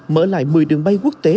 mở lại một mươi đường bay quốc tế